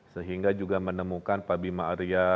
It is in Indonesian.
sehingga juga menemukan pak bima arya